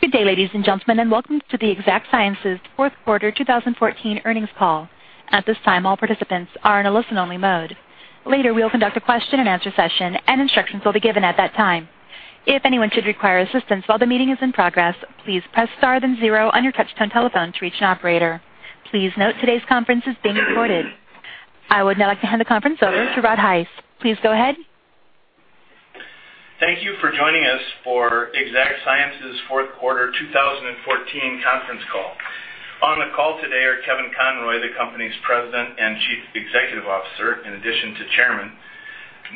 Good day, ladies and gentlemen, and welcome to the Exact Sciences fourth quarter 2014 earnings call. At this time, all participants are in a listen-only mode. Later, we will conduct a question-and-answer session, and instructions will be given at that time. If anyone should require assistance while the meeting is in progress, please press star then zero on your touch-tone telephone to reach an operator. Please note today's conference is being recorded. I would now like to hand the conference over to Rod Heiss. Please go ahead. Thank you for joining us for Exact Sciences fourth quarter 2014 conference call. On the call today are Kevin Conroy, the company's President and Chief Executive Officer, in addition to Chairman;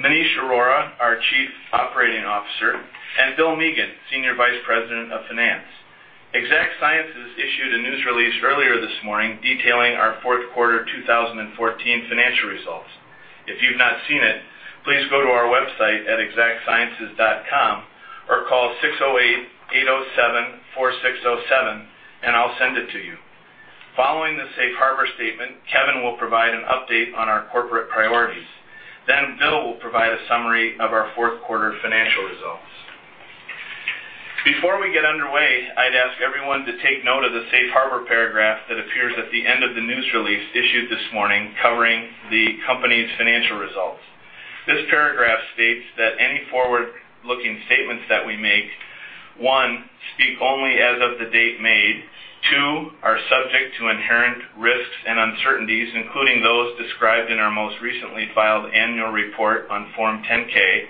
Maneesh Arora, our Chief Operating Officer; and Will Mahan, Senior Vice President of Finance. Exact Sciences issued a news release earlier this morning detailing our fourth quarter 2014 financial results. If you've not seen it, please go to our website at exactsciences.com or call 608-807-4607, and I'll send it to you. Following the safe harbor statement, Kevin will provide an update on our corporate priorities. Will will provide a summary of our fourth quarter financial results. Before we get underway, I'd ask everyone to take note of the safe harbor paragraph that appears at the end of the news release issued this morning covering the company's financial results. This paragraph states that any forward-looking statements that we make, one, speak only as of the date made, two, are subject to inherent risks and uncertainties, including those described in our most recently filed annual report on Form 10-K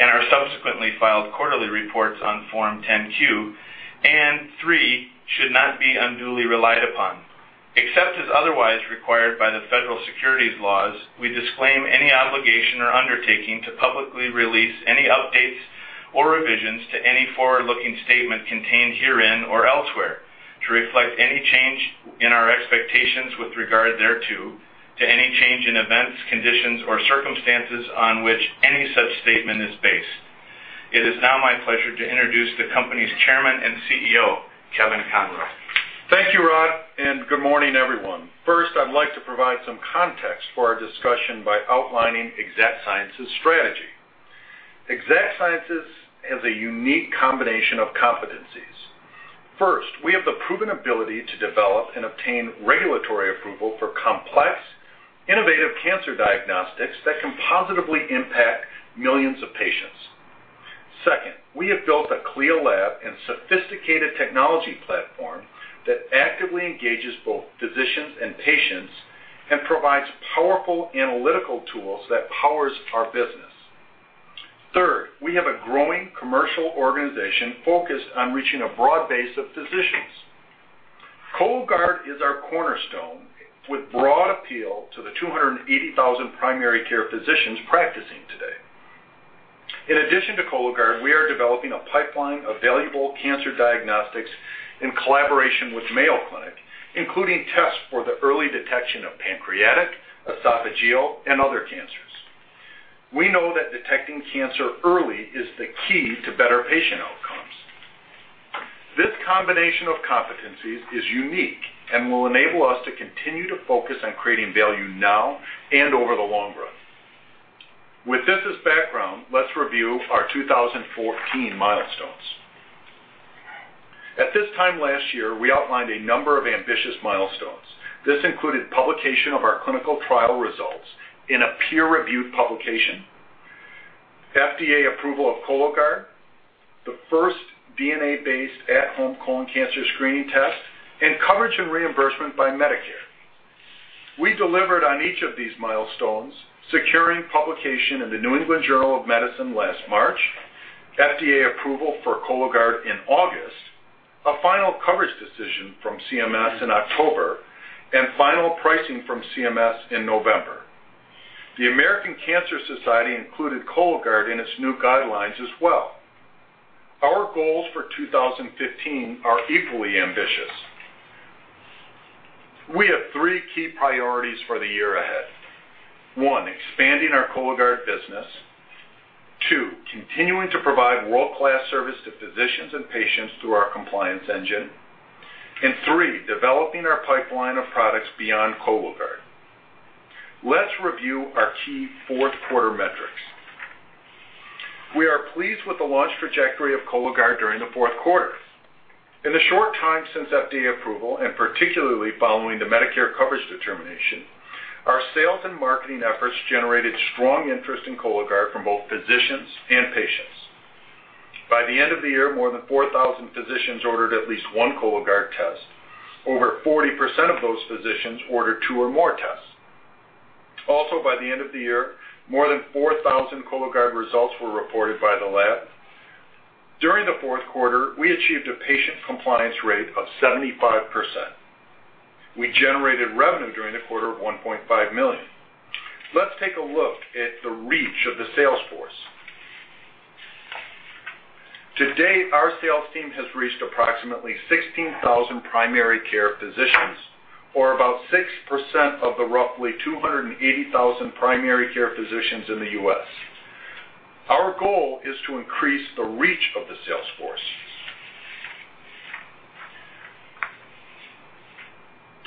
and our subsequently filed quarterly reports on Form 10-Q, and three, should not be unduly relied upon. Except as otherwise required by the federal securities laws, we disclaim any obligation or undertaking to publicly release any updates or revisions to any forward-looking statement contained herein or elsewhere to reflect any change in our expectations with regard thereto, to any change in events, conditions, or circumstances on which any such statement is based. It is now my pleasure to introduce the company's Chairman and CEO, Kevin Conroy. Thank you, Rod, and good morning, everyone. First, I'd like to provide some context for our discussion by outlining Exact Sciences' strategy. Exact Sciences has a unique combination of competencies. First, we have the proven ability to develop and obtain regulatory approval for complex, innovative cancer diagnostics that can positively impact millions of patients. Second, we have built a clear lab and sophisticated technology platform that actively engages both physicians and patients and provides powerful analytical tools that power our business. Third, we have a growing commercial organization focused on reaching a broad base of physicians. Cologuard is our cornerstone with broad appeal to the 280,000 primary care physicians practicing today. In addition to Cologuard, we are developing a pipeline of valuable cancer diagnostics in collaboration with Mayo Clinic, including tests for the early detection of pancreatic, esophageal, and other cancers. We know that detecting cancer early is the key to better patient outcomes. This combination of competencies is unique and will enable us to continue to focus on creating value now and over the long run. With this as background, let's review our 2014 milestones. At this time last year, we outlined a number of ambitious milestones. This included publication of our clinical trial results in a peer-reviewed publication, FDA approval of Cologuard, the first DNA-based at-home colon cancer screening test, and coverage and reimbursement by Medicare. We delivered on each of these milestones, securing publication in the New England Journal of Medicine last March, FDA approval for Cologuard in August, a final coverage decision from CMS in October, and final pricing from CMS in November. The American Cancer Society included Cologuard in its new guidelines as well. Our goals for 2015 are equally ambitious. We have three key priorities for the year ahead. One, expanding our Cologuard business. Two, continuing to provide world-class service to physicians and patients through our compliance engine. Three, developing our pipeline of products beyond Cologuard. Let's review our key fourth quarter metrics. We are pleased with the launch trajectory of Cologuard during the fourth quarter. In the short time since FDA approval, and particularly following the Medicare coverage determination, our sales and marketing efforts generated strong interest in Cologuard from both physicians and patients. By the end of the year, more than 4,000 physicians ordered at least one Cologuard test. Over 40% of those physicians ordered two or more tests. Also, by the end of the year, more than 4,000 Cologuard results were reported by the lab. During the fourth quarter, we achieved a patient compliance rate of 75%. We generated revenue during the quarter of $1.5 million. Let's take a look at the reach of the sales force. Today, our sales team has reached approximately 16,000 primary care physicians, or about 6% of the roughly 280,000 primary care physicians in the U.S. Our goal is to increase the reach of the sales force.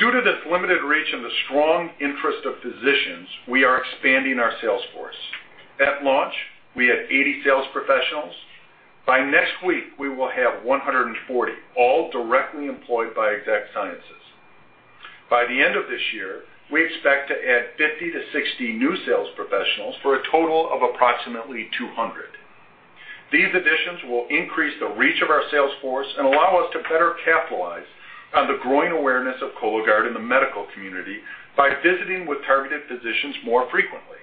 Due to this limited reach and the strong interest of physicians, we are expanding our sales force. At launch, we had 80 sales professionals. By next week, we will have 140, all directly employed by Exact Sciences. By the end of this year, we expect to add 50-60 new sales professionals for a total of approximately 200. These additions will increase the reach of our sales force and allow us to better capitalize on the growing awareness of Cologuard in the medical community by visiting with targeted physicians more frequently.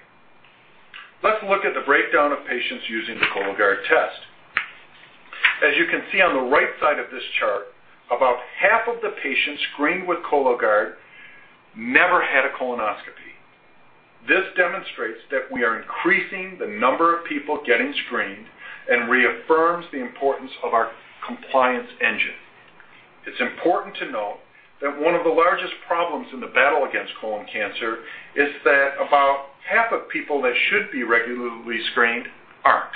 Let's look at the breakdown of patients using the Cologuard test. As you can see on the right side of this chart, about half of the patients screened with Cologuard never had a colonoscopy. This demonstrates that we are increasing the number of people getting screened and reaffirms the importance of our compliance engine. It's important to note that one of the largest problems in the battle against colon cancer is that about half of people that should be regularly screened aren't.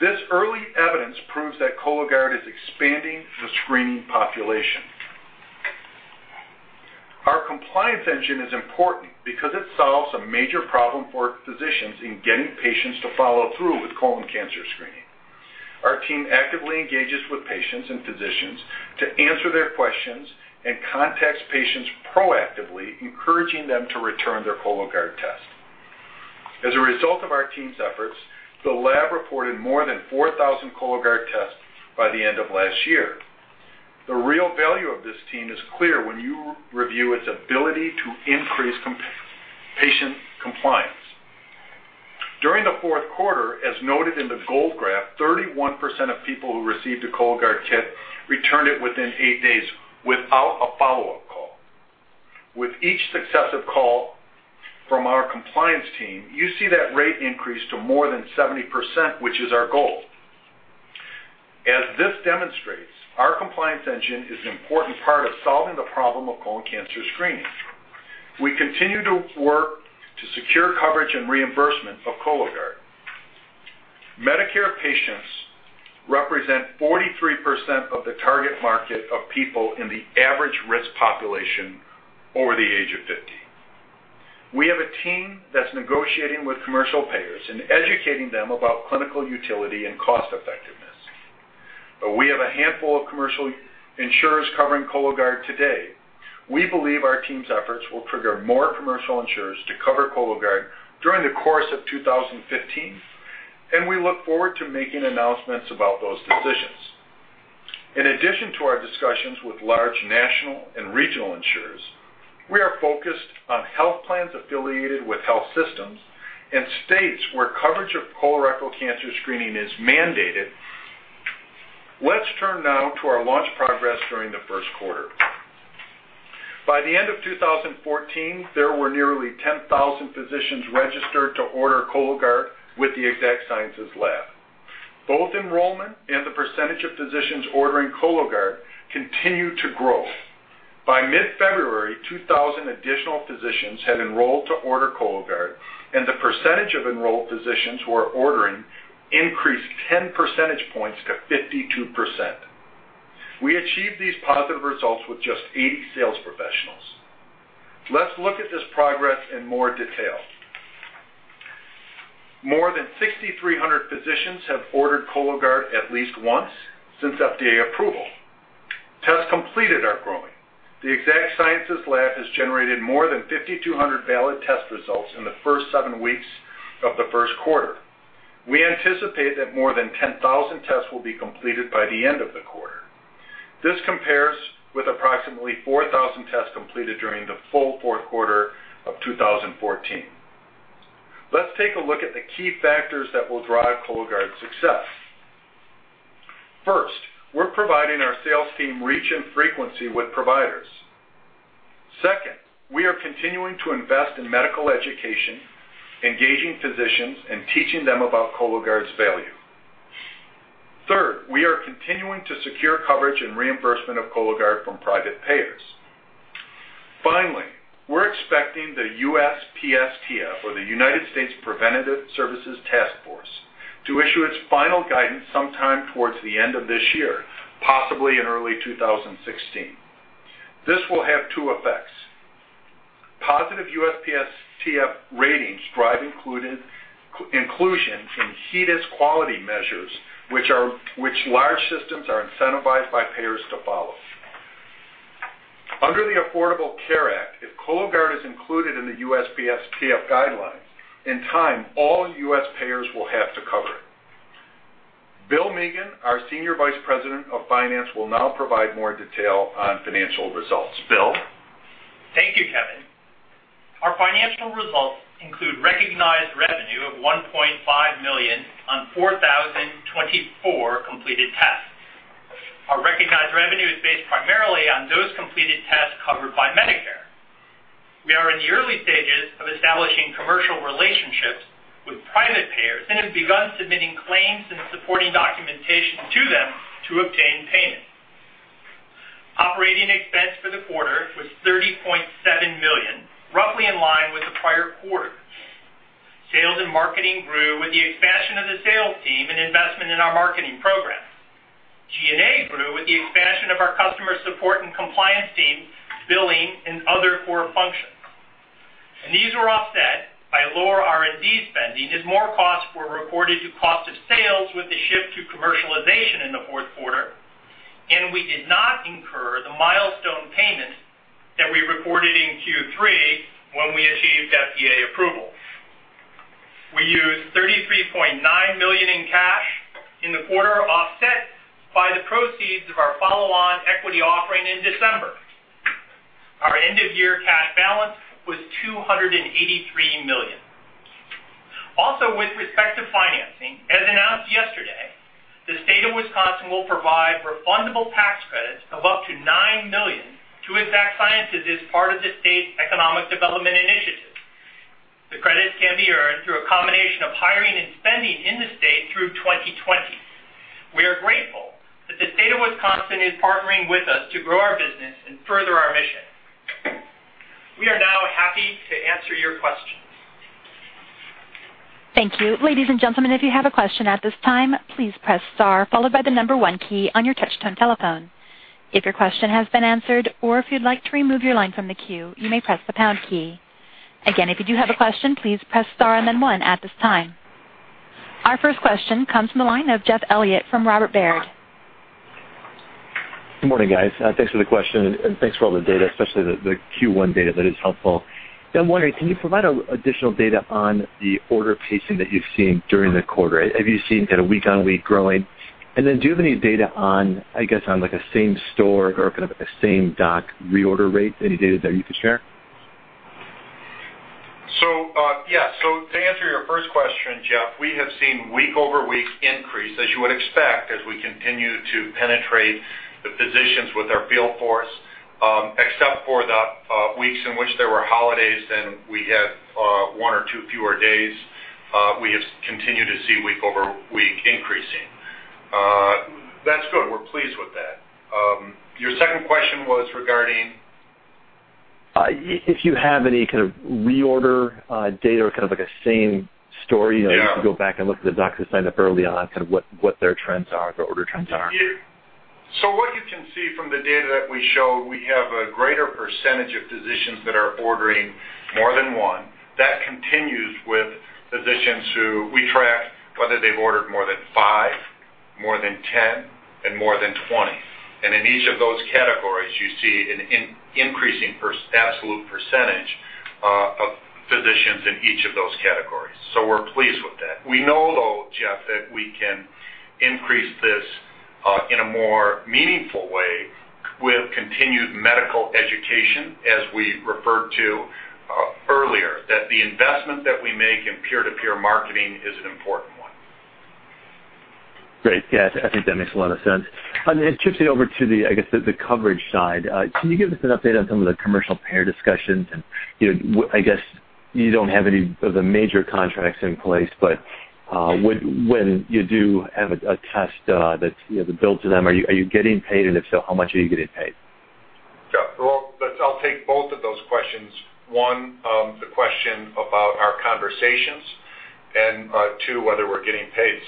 This early evidence proves that Cologuard is expanding the screening population. Our compliance engine is important because it solves a major problem for physicians in getting patients to follow through with colon cancer screening. Our team actively engages with patients and physicians to answer their questions and contacts patients proactively, encouraging them to return their Cologuard test. As a result of our team's efforts, the lab reported more than 4,000 Cologuard tests by the end of last year. The real value of this team is clear when you review its ability to increase patient compliance. During the fourth quarter, as noted in the gold graph, 31% of people who received a Cologuard kit returned it within eight days without a follow-up call. With each successive call from our compliance team, you see that rate increase to more than 70%, which is our goal. As this demonstrates, our compliance engine is an important part of solving the problem of colon cancer screening. We continue to work to secure coverage and reimbursement of Cologuard. Medicare patients represent 43% of the target market of people in the average risk population over the age of 50. We have a team that's negotiating with commercial payers and educating them about clinical utility and cost-effectiveness. We have a handful of commercial insurers covering Cologuard today. We believe our team's efforts will trigger more commercial insurers to cover Cologuard during the course of 2015, and we look forward to making announcements about those decisions. In addition to our discussions with large national and regional insurers, we are focused on health plans affiliated with health systems and states where coverage of colorectal cancer screening is mandated. Let's turn now to our launch progress during the first quarter. By the end of 2014, there were nearly 10,000 physicians registered to order Cologuard with the Exact Sciences lab. Both enrollment and the percentage of physicians ordering Cologuard continued to grow. By mid-February, 2,000 additional physicians had enrolled to order Cologuard, and the percentage of enrolled physicians who are ordering increased 10 percentage points to 52%. We achieved these positive results with just 80 sales professionals. Let's look at this progress in more detail. More than 6,300 physicians have ordered Cologuard at least once since FDA approval. Tests completed are growing. The Exact Sciences lab has generated more than 5,200 valid test results in the first seven weeks of the first quarter. We anticipate that more than 10,000 tests will be completed by the end of the quarter. This compares with approximately 4,000 tests completed during the full fourth quarter of 2014. Let's take a look at the key factors that will drive Cologuard's success. First, we're providing our sales team reach and frequency with providers. Second, we are continuing to invest in medical education, engaging physicians, and teaching them about Cologuard's value. Third, we are continuing to secure coverage and reimbursement of Cologuard from private payers. Finally, we're expecting the USPSTF, or the United States Preventive Services Task Force, to issue its final guidance sometime towards the end of this year, possibly in early 2016. This will have two effects. Positive USPSTF ratings drive inclusion in HEDIS quality measures, which large systems are incentivized by payers to follow. Under the Affordable Care Act, if Cologuard is included in the USPSTF guidelines, in time, all US payers will have to cover it. Will Mahan, our Senior Vice President of Finance, will now provide more detail on financial results. Will. Thank you, Kevin. Our financial results include recognized revenue of $1.5 million on 4,024 completed tests. Our recognized revenue is based primarily on those completed tests covered by Medicare. We are in the early stages of establishing commercial relationships with private payers and have begun submitting claims and supporting documentation to them to obtain payment. Operating expense for the quarter was $30.7 million, roughly in line with the prior quarter. Sales and marketing grew with the expansion of the sales team and investment in our marketing program. G&A grew with the expansion of our customer support and compliance team, billing, and other core functions. These were offset by lower R&D spending as more costs were reported to cost of sales with the shift to commercialization in the fourth quarter, and we did not incur the milestone payment that we reported in Q3 when we achieved FDA approval. We used $33.9 million in cash in the quarter, offset by the proceeds of our follow-on equity offering in December. Our end-of-year cash balance was $283 million. Also, with respect to financing, as announced yesterday, the state of Wisconsin will provide refundable tax credits of up to $9 million to Exact Sciences as part of the state's economic development initiative. The credits can be earned through a combination of hiring and spending in the state through 2020. We are grateful that the state of Wisconsin is partnering with us to grow our business and further our mission. We are now happy to answer your questions. Thank you. Ladies and gentlemen, if you have a question at this time, please press star followed by the number one key on your touch-tone telephone. If your question has been answered or if you'd like to remove your line from the queue, you may press the pound key. Again, if you do have a question, please press star and then one at this time. Our first question comes from the line of Jeff Elliott from Robert W. Baird & Co. Good morning, guys. Thanks for the question and thanks for all the data, especially the Q1 data that is helpful. I'm wondering, can you provide additional data on the order pacing that you've seen during the quarter? Have you seen kind of week-on-week growing? And then do you have any data on, I guess, on like a same store or kind of a same doc reorder rate? Any data there you could share? Yeah. To answer your first question, Jeff, we have seen week-over-week increase, as you would expect, as we continue to penetrate the physicians with our field force. Except for the weeks in which there were holidays and we had one or two fewer days, we have continued to see week-over-week increasing. That's good. We're pleased with that. Your second question was regarding. If you have any kind of reorder data or kind of like a same story. Yeah. You can go back and look at the docs that signed up early on, kind of what their trends are, their order trends are. What you can see from the data that we showed, we have a greater percentage of physicians that are ordering more than one. That continues with physicians who we track whether they've ordered more than five, more than ten, and more than twenty. In each of those categories, you see an increasing absolute percentage of physicians in each of those categories. We're pleased with that. We know, though, Jeff, that we can increase this in a more meaningful way with continued medical education, as we referred to earlier, that the investment that we make in peer-to-peer marketing is an important one. Great. Yeah, I think that makes a lot of sense. Then shifting over to the, I guess, the coverage side, can you give us an update on some of the commercial payer discussions? I guess you do not have any of the major contracts in place, but when you do have a test that is billed to them, are you getting paid? If so, how much are you getting paid? Yeah. I'll take both of those questions. One, the question about our conversations, and two, whether we're getting paid.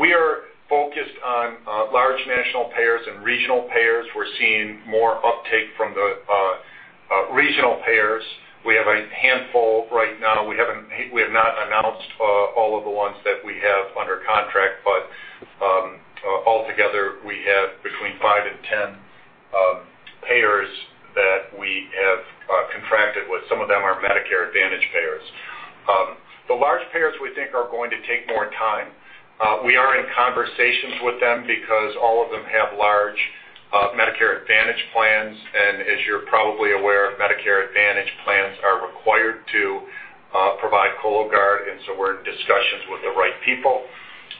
We are focused on large national payers and regional payers. We're seeing more uptake from the regional payers. We have a handful right now. We have not announced all of the ones that we have under contract, but altogether, we have between five and ten payers that we have contracted with. Some of them are Medicare Advantage payers. The large payers, we think, are going to take more time. We are in conversations with them because all of them have large Medicare Advantage plans. As you're probably aware, Medicare Advantage plans are required to provide Cologuard, and we're in discussions with the right people.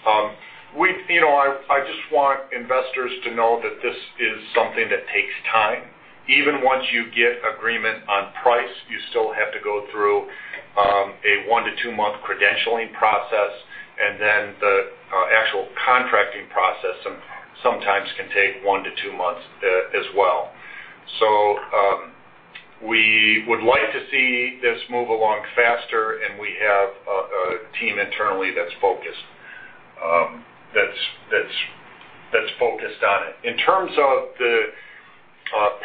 I just want investors to know that this is something that takes time. Even once you get agreement on price, you still have to go through a one to two-month credentialing process, and then the actual contracting process sometimes can take one to two months as well. We would like to see this move along faster, and we have a team internally that's focused on it. In terms of the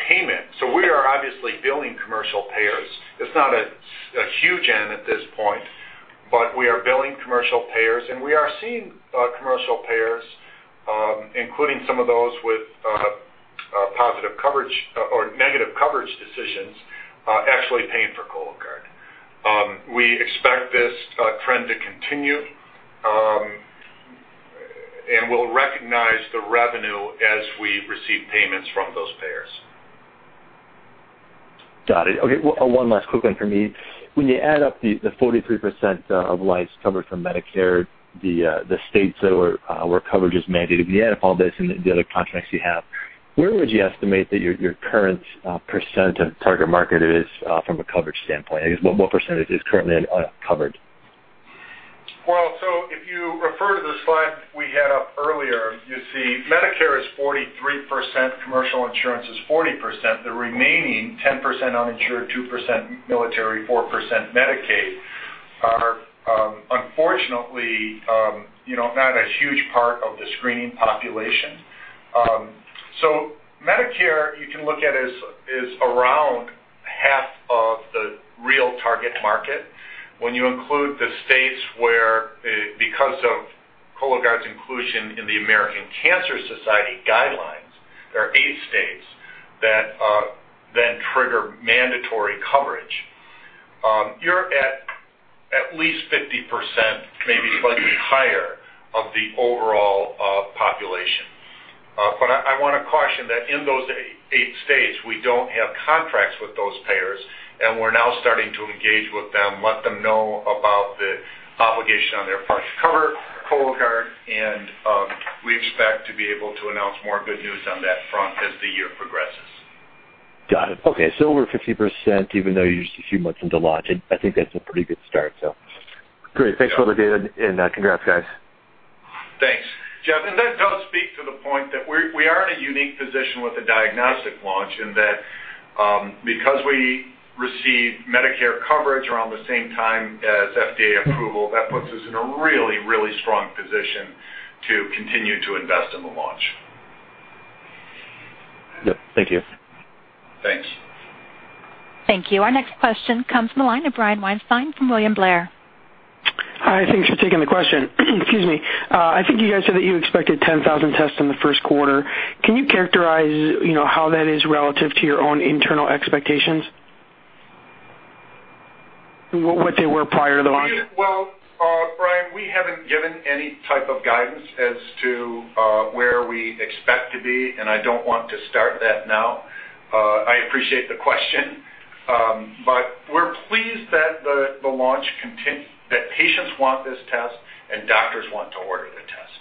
payment, we are obviously billing commercial payers. It's not a huge end at this point, but we are billing commercial payers, and we are seeing commercial payers, including some of those with positive coverage or negative coverage decisions, actually paying for Cologuard. We expect this trend to continue, and we'll recognize the revenue as we receive payments from those payers. Got it. Okay. One last quick one from me. When you add up the 43% of lines covered from Medicare, the states where coverage is mandated, when you add up all this and the other contracts you have, where would you estimate that your current percent of target market is from a coverage standpoint? I guess what percentage is currently uncovered? If you refer to the slide we had up earlier, you see Medicare is 43%, commercial insurance is 40%. The remaining 10% uninsured, 2% military, 4% Medicaid are, unfortunately, not a huge part of the screening population. Medicare, you can look at it as around half of the real target market. When you include the states where, because of Cologuard's inclusion in the American Cancer Society guidelines, there are eight states that then trigger mandatory coverage, you're at at least 50%, maybe slightly higher, of the overall population. I want to caution that in those eight states, we do not have contracts with those payers, and we are now starting to engage with them, let them know about the obligation on their part to cover Cologuard, and we expect to be able to announce more good news on that front as the year progresses. Got it. Okay. So over 50%, even though you're just a few months into launch, I think that's a pretty good start, so. Great. Thanks for all the data, and congrats, guys. Thanks. Jeff, and that does speak to the point that we are in a unique position with the diagnostic launch in that because we receive Medicare coverage around the same time as FDA approval, that puts us in a really, really strong position to continue to invest in the launch. Yep. Thank you. Thanks. Thank you. Our next question comes from the line of Brian Weinstein from William Blair. Hi. Thanks for taking the question. Excuse me. I think you guys said that you expected 10,000 tests in the first quarter. Can you characterize how that is relative to your own internal expectations? What they were prior to the launch? Brian, we haven't given any type of guidance as to where we expect to be, and I don't want to start that now. I appreciate the question, but we're pleased that the launch continues, that patients want this test and doctors want to order the test.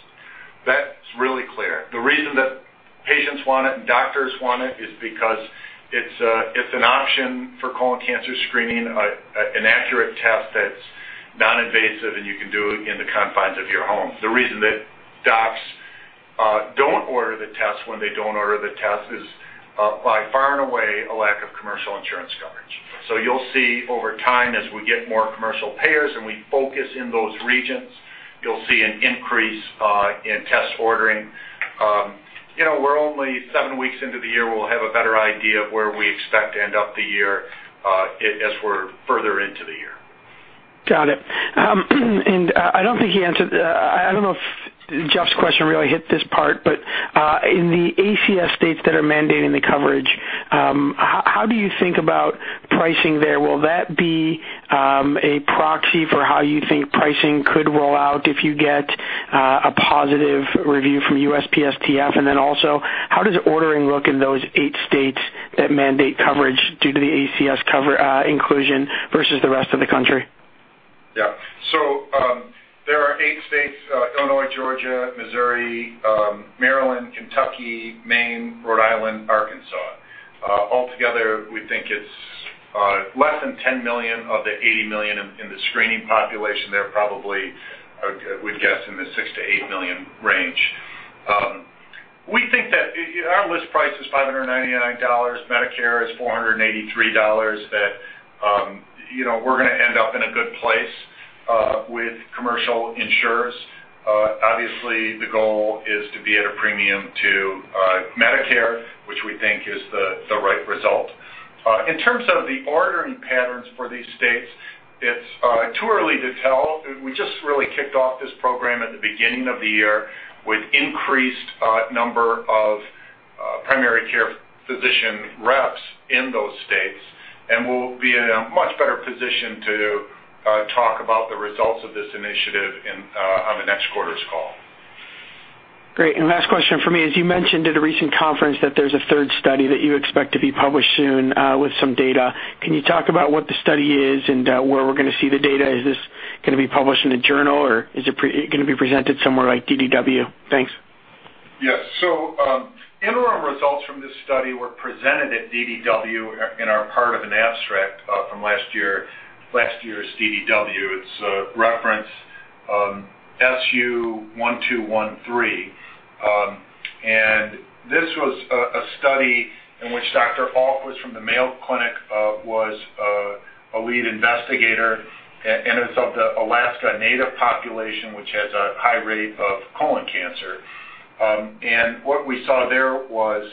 That's really clear. The reason that patients want it and doctors want it is because it's an option for colon cancer screening, an accurate test that's non-invasive, and you can do it in the confines of your home. The reason that docs don't order the test when they don't order the test is by far and away a lack of commercial insurance coverage. You'll see over time, as we get more commercial payers and we focus in those regions, you'll see an increase in test ordering. We're only seven weeks into the year. We'll have a better idea of where we expect to end up the year as we're further into the year. Got it. I do not think he answered the—I do not know if Jeff's question really hit this part, but in the ACS states that are mandating the coverage, how do you think about pricing there? Will that be a proxy for how you think pricing could roll out if you get a positive review from USPSTF? Also, how does ordering look in those eight states that mandate coverage due to the ACS inclusion versus the rest of the country? Yeah. There are eight states: Illinois, Georgia, Missouri, Maryland, Kentucky, Maine, Rhode Island, Arkansas. Altogether, we think it's less than 10 million of the 80 million in the screening population. They're probably, I would guess, in the 6-8 million range. We think that our list price is $599, Medicare is $483, that we're going to end up in a good place with commercial insurers. Obviously, the goal is to be at a premium to Medicare, which we think is the right result. In terms of the ordering patterns for these states, it's too early to tell. We just really kicked off this program at the beginning of the year with an increased number of primary care physician reps in those states, and we'll be in a much better position to talk about the results of this initiative on the next quarter's call. Great. Last question for me. As you mentioned at a recent conference that there's a third study that you expect to be published soon with some data. Can you talk about what the study is and where we're going to see the data? Is this going to be published in a journal, or is it going to be presented somewhere like DDW? Thanks. Yes. Interim results from this study were presented at DDW in our part of an abstract from last year. Last year's DDW, it's reference SU1213. This was a study in which Dr. Alquist from the Mayo Clinic was a lead investigator, and it's of the Alaska Native population, which has a high rate of colon cancer. What we saw there was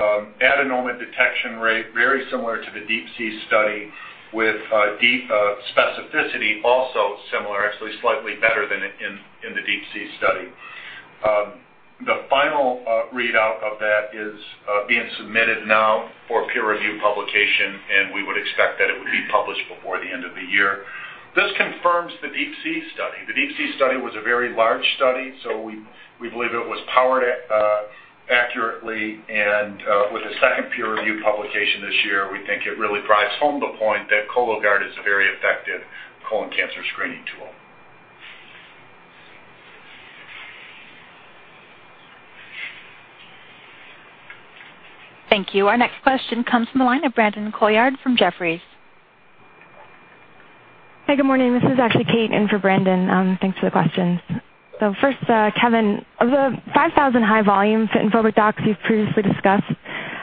adenoma detection rate very similar to the DeeP-C study with specificity also similar, actually slightly better than in the DeeP-C study. The final readout of that is being submitted now for peer review publication, and we would expect that it would be published before the end of the year. This confirms the DeeP-C study. The DeeP-C study was a very large study, so we believe it was powered accurately. With a second peer review publication this year, we think it really drives home the point that Cologuard is a very effective colon cancer screening tool. Thank you. Our next question comes from the line of Brandon Colyard from Jefferies. Hey, good morning. This is actually Kate in for Brandon. Thanks for the questions. First, Kevin, of the 5,000 high-volume FIT and focused docs you've previously discussed,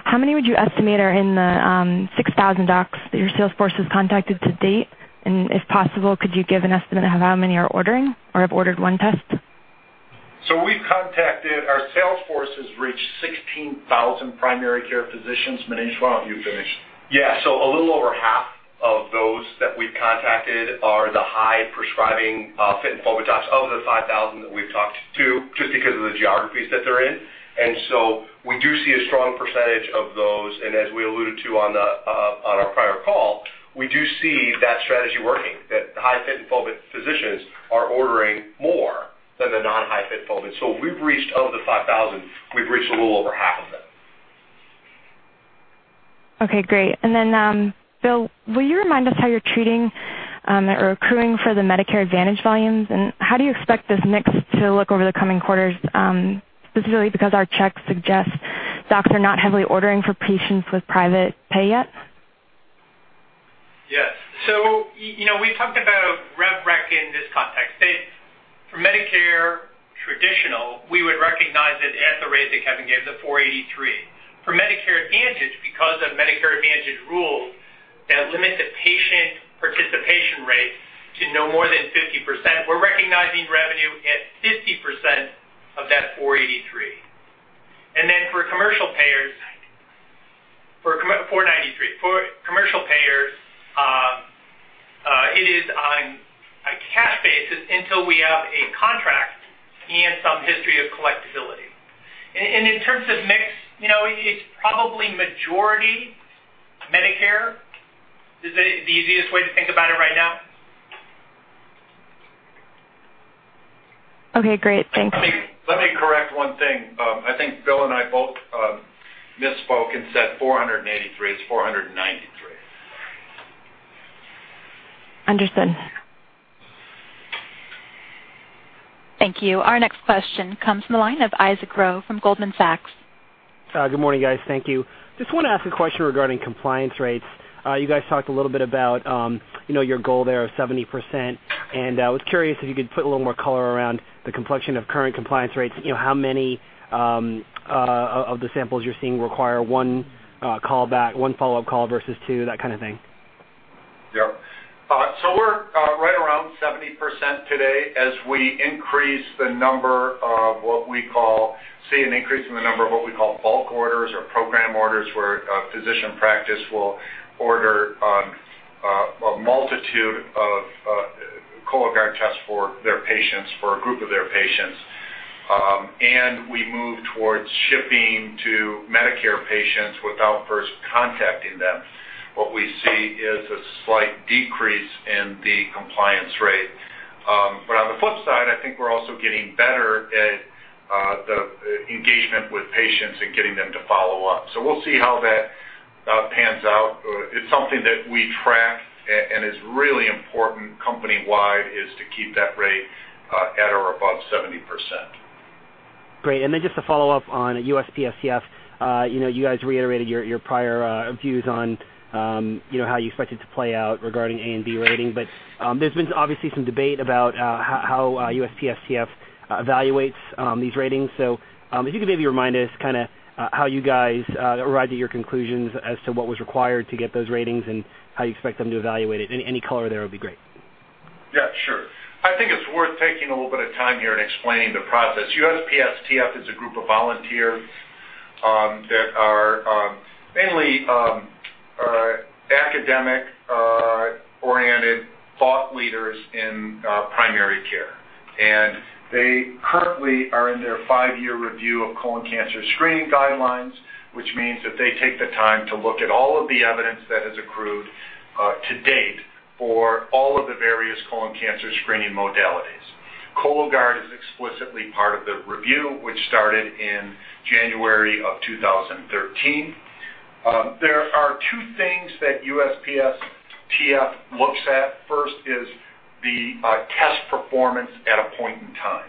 how many would you estimate are in the 6,000 docs that your salesforce has contacted to date? If possible, could you give an estimate of how many are ordering or have ordered one test? We've contacted our salesforce has reached 16,000 primary care physicians. Maneesh, why don't you finish? Yeah. A little over half of those that we've contacted are the high prescribing FIT and focused docs of the 5,000 that we've talked to, just because of the geographies that they're in. We do see a strong percentage of those. As we alluded to on our prior call, we do see that strategy working, that the high FIT and focused physicians are ordering more than the non-high FIT and focused. We've reached of the 5,000, we've reached a little over half of them. Okay. Great. Will, will you remind us how you're treating or accruing for the Medicare Advantage volumes? How do you expect this mix to look over the coming quarters, specifically because our checks suggest docs are not heavily ordering for patients with private pay yet? Yes. So we've talked about rep rec in this context. For Medicare traditional, we would recognize it at the rate that Kevin gave, the $483. For Medicare Advantage, because of Medicare Advantage rules that limit the patient participation rate to no more than 50%, we're recognizing revenue at 50% of that $483. For commercial payers, $493. For commercial payers, it is on a cash basis until we have a contract and some history of collectibility. In terms of mix, it's probably majority Medicare. Is that the easiest way to think about it right now? Okay. Great. Thanks. Let me correct one thing. I think Will and I both misspoke and said 483 is 493. Understood. Thank you. Our next question comes from the line of Isaac Rowe from Goldman Sachs. Good morning, guys. Thank you. Just want to ask a question regarding compliance rates. You guys talked a little bit about your goal there of 70%, and I was curious if you could put a little more color around the complexion of current compliance rates. How many of the samples you're seeing require one callback, one follow-up call versus two, that kind of thing? Yep. So we're right around 70% today as we increase the number of what we call bulk orders or program orders where a physician practice will order a multitude of Cologuard tests for their patients, for a group of their patients. As we move towards shipping to Medicare patients without first contacting them, what we see is a slight decrease in the compliance rate. On the flip side, I think we're also getting better at the engagement with patients and getting them to follow up. We'll see how that pans out. It's something that we track, and it's really important company-wide to keep that rate at or above 70%. Great. And then just to follow up on USPSTF, you guys reiterated your prior views on how you expected it to play out regarding A and B rating. There has been obviously some debate about how USPSTF evaluates these ratings. If you could maybe remind us kind of how you guys arrived at your conclusions as to what was required to get those ratings and how you expect them to evaluate it. Any color there would be great. Yeah. Sure. I think it's worth taking a little bit of time here and explaining the process. USPSTF is a group of volunteers that are mainly academic-oriented thought leaders in primary care. They currently are in their five-year review of colon cancer screening guidelines, which means that they take the time to look at all of the evidence that has accrued to date for all of the various colon cancer screening modalities. Cologuard is explicitly part of the review, which started in January of 2013. There are two things that USPSTF looks at. First is the test performance at a point in time.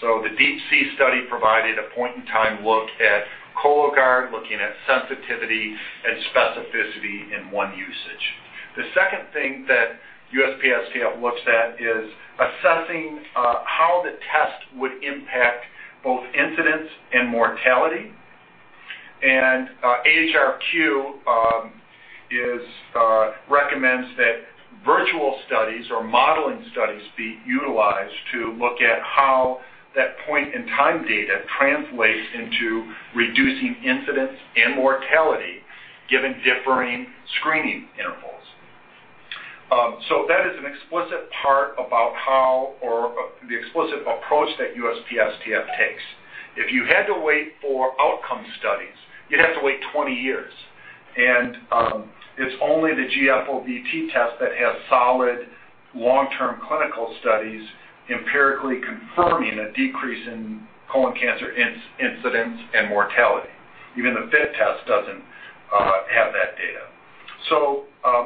The DeeP-C study provided a point-in-time look at Cologuard, looking at sensitivity and specificity in one usage. The second thing that USPSTF looks at is assessing how the test would impact both incidence and mortality. AHRQ recommends that virtual studies or modeling studies be utilized to look at how that point-in-time data translates into reducing incidence and mortality given differing screening intervals. That is an explicit part about how or the explicit approach that USPSTF takes. If you had to wait for outcome studies, you'd have to wait 20 years. It is only the gFOBT test that has solid long-term clinical studies empirically confirming a decrease in colon cancer incidence and mortality. Even the FIT test doesn't have that data.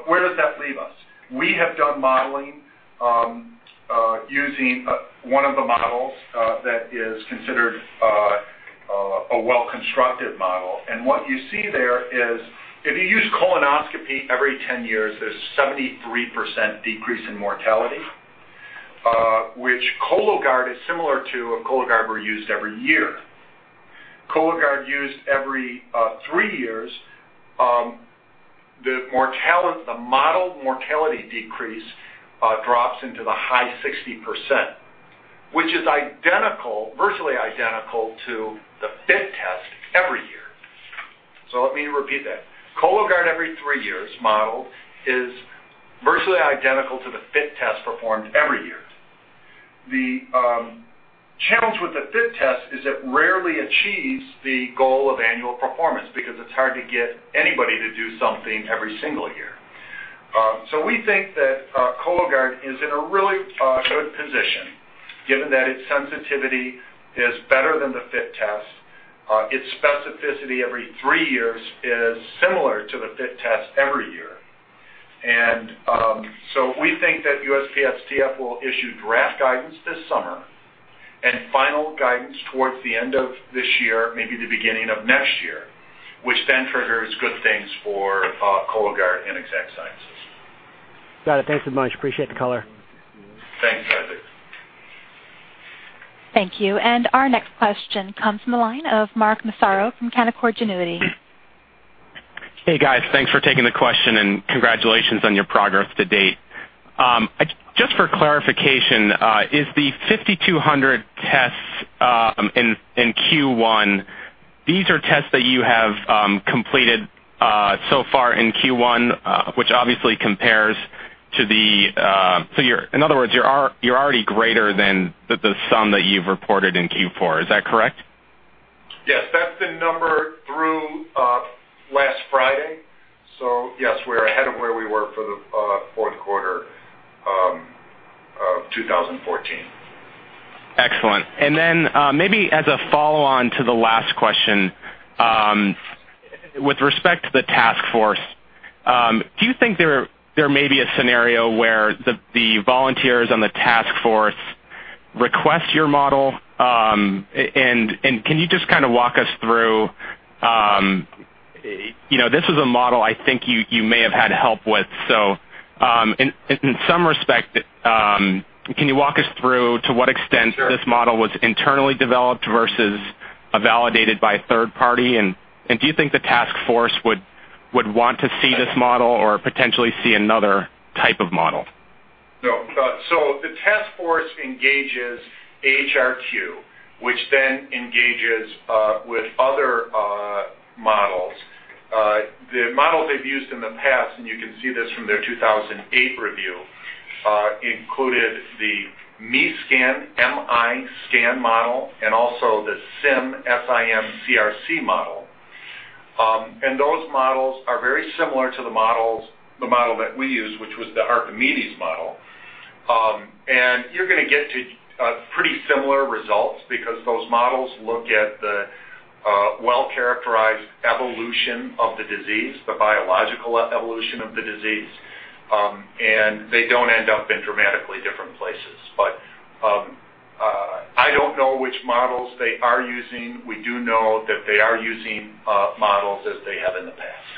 Where does that leave us? We have done modeling using one of the models that is considered a well-constructed model. What you see there is if you use colonoscopy every 10 years, there's a 73% decrease in mortality, which Cologuard is similar to if Cologuard were used every year. Cologuard used every three years, the modeled mortality decrease drops into the high 60%, which is virtually identical to the FIT test every year. Let me repeat that. Cologuard every three years modeled is virtually identical to the FIT test performed every year. The challenge with the FIT test is it rarely achieves the goal of annual performance because it's hard to get anybody to do something every single year. We think that Cologuard is in a really good position given that its sensitivity is better than the FIT test. Its specificity every three years is similar to the FIT test every year. We think that USPSTF will issue draft guidance this summer and final guidance towards the end of this year, maybe the beginning of next year, which then triggers good things for Cologuard and Exact Sciences. Got it. Thanks so much. Appreciate the color. Thanks, Isaac. Thank you. Our next question comes from the line of Mark Massaro from Canaccord Genuity. Hey, guys. Thanks for taking the question, and congratulations on your progress to date. Just for clarification, is the 5,200 tests in Q1, these are tests that you have completed so far in Q1, which obviously compares to the so in other words, you're already greater than the sum that you've reported in Q4. Is that correct? Yes. That's the number through last Friday. Yes, we're ahead of where we were for the fourth quarter of 2014. Excellent. Maybe as a follow-on to the last question, with respect to the task force, do you think there may be a scenario where the volunteers on the task force request your model? Can you just kind of walk us through this was a model I think you may have had help with? In some respect, can you walk us through to what extent this model was internally developed versus validated by a third party? Do you think the task force would want to see this model or potentially see another type of model? No. The task force engages AHRQ, which then engages with other models. The models they have used in the past, and you can see this from their 2008 review, included the MISCAN model and also the SIM CRC model. Those models are very similar to the model that we use, which was the Archimedes model. You are going to get to pretty similar results because those models look at the well-characterized evolution of the disease, the biological evolution of the disease, and they do not end up in dramatically different places. I do not know which models they are using. We do know that they are using models as they have in the past.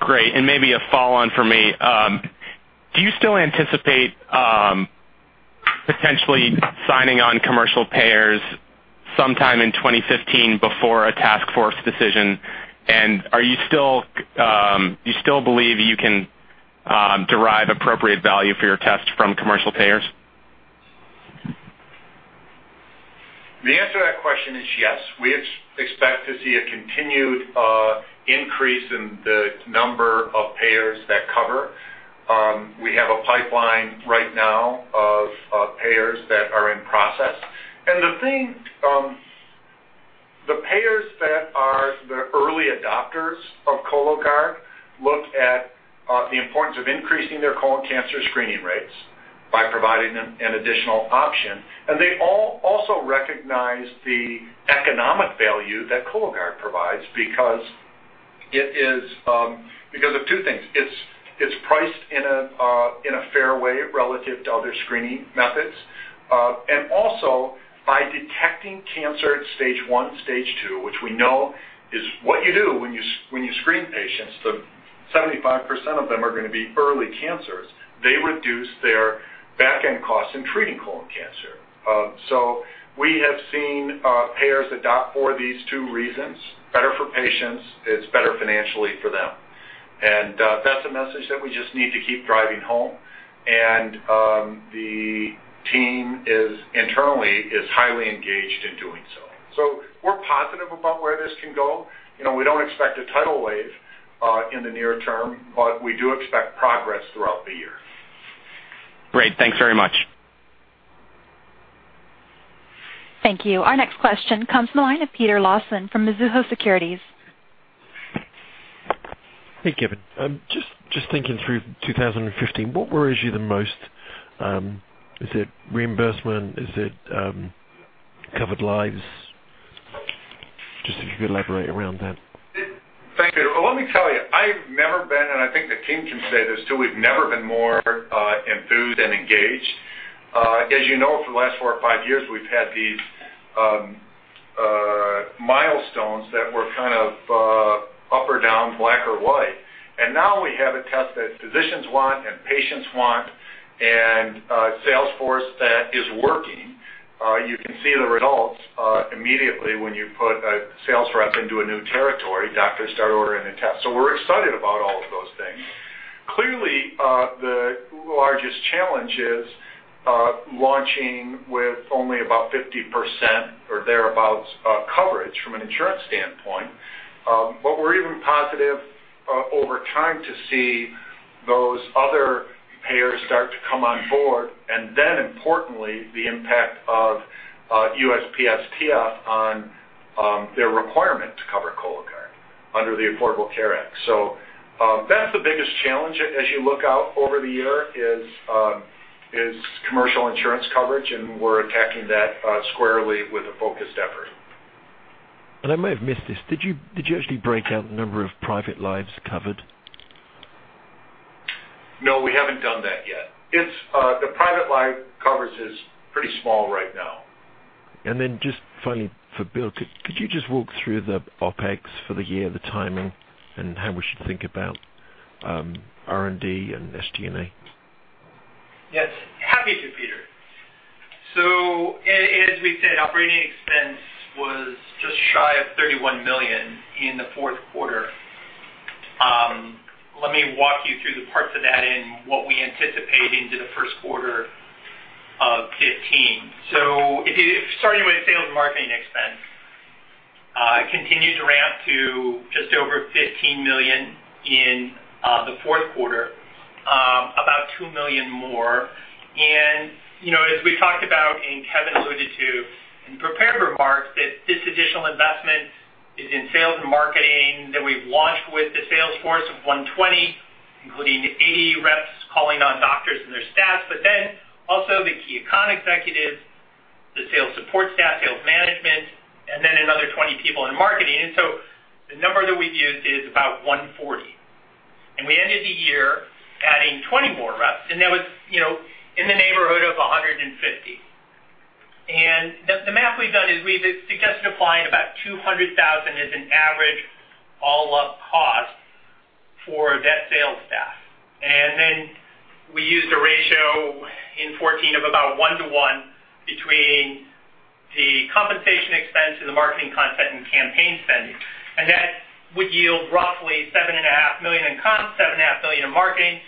Great. Maybe a follow-on for me, do you still anticipate potentially signing on commercial payers sometime in 2015 before a task force decision? Do you still believe you can derive appropriate value for your test from commercial payers? The answer to that question is yes. We expect to see a continued increase in the number of payers that cover. We have a pipeline right now of payers that are in process. The payers that are the early adopters of Cologuard look at the importance of increasing their colon cancer screening rates by providing them an additional option. They also recognize the economic value that Cologuard provides because it is because of two things. It is priced in a fair way relative to other screening methods. Also, by detecting cancer at stage one, stage two, which we know is what you do when you screen patients, 75% of them are going to be early cancers. They reduce their back-end costs in treating colon cancer. We have seen payers adopt for these two reasons. Better for patients. It is better financially for them. That is a message that we just need to keep driving home. The team internally is highly engaged in doing so. We are positive about where this can go. We do not expect a tidal wave in the near term, but we do expect progress throughout the year. Great. Thanks very much. Thank you. Our next question comes from the line of Peter Lawson from Mizuho Securities. Hey, Kevin. Just thinking through 2015, what worries you the most? Is it reimbursement? Is it covered lives? Just if you could elaborate around that. Thank you. Let me tell you, I've never been—and I think the team can say this too—we've never been more enthused and engaged. As you know, for the last four or five years, we've had these milestones that were kind of up or down, black or white. Now we have a test that physicians want and patients want and a sales force that is working. You can see the results immediately when you put a sales rep into a new territory. Doctors start ordering the test. We are excited about all of those things. Clearly, the largest challenge is launching with only about 50% or thereabouts coverage from an insurance standpoint. We are even positive over time to see those other payers start to come on board and then, importantly, the impact of USPSTF on their requirement to cover Cologuard under the Affordable Care Act. That's the biggest challenge as you look out over the year is commercial insurance coverage, and we're attacking that squarely with a focused effort. I may have missed this. Did you actually break out the number of private lives covered? No, we haven't done that yet. The private life coverage is pretty small right now. Finally, for Will, could you just walk through the OpEx for the year, the timing, and how we should think about R&D and SG&A? Yes. Happy to, Peter. As we said, operating expense was just shy of $31 million in the fourth quarter. Let me walk you through the parts of that and what we anticipate into the first quarter of 2015. Starting with sales and marketing expense, continued to ramp to just over $15 million in the fourth quarter, about $2 million more. As we talked about and Kevin alluded to in prepared remarks, this additional investment is in sales and marketing that we've launched with the sales force of 120, including 80 reps calling on doctors and their staff, but then also the key account executives, the sales support staff, sales management, and then another 20 people in marketing. The number that we've used is about 140. We ended the year adding 20 more reps, and that was in the neighborhood of 150. The math we've done is we've suggested applying about $200,000 as an average all-up cost for that sales staff. We used a ratio in 2014 of about 1 to 1 between the compensation expense and the marketing content and campaign spending. That would yield roughly $7.5 million in comp, $7.5 million in marketing.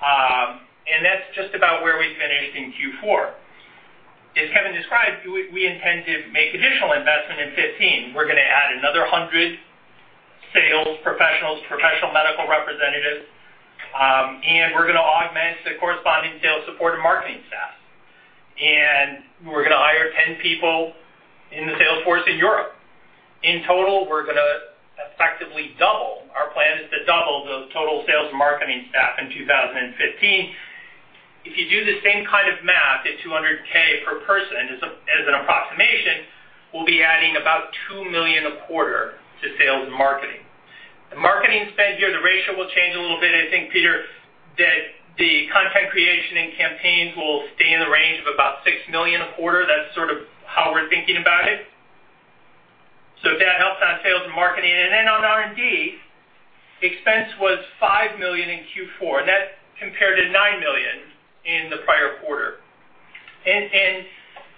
That is just about where we finished in Q4. As Kevin described, we intend to make additional investment in 2015. We are going to add another 100 sales professionals, professional medical representatives, and we are going to augment the corresponding sales support and marketing staff. We are going to hire 10 people in the sales force in Europe. In total, we are going to effectively double. Our plan is to double the total sales and marketing staff in 2015. If you do the same kind of math, the $200,000 per person as an approximation, we'll be adding about $2 million a quarter to sales and marketing. The marketing spend here, the ratio will change a little bit. I think, Peter, that the content creation and campaigns will stay in the range of about $6 million a quarter. That's sort of how we're thinking about it. If that helps on sales and marketing. On R&D, expense was $5 million in Q4, and that compared to $9 million in the prior quarter.